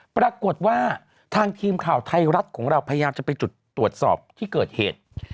ปรากฏว่าทางทีมข่าวไทยรัฐของเราพยายามจะไปจุดตรวจสอบที่เกิดเหตุ